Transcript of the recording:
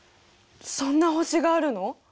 そんな星があるの？